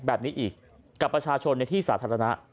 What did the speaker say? แบบนี้อีกกับประชาชนในที่สาธารณะ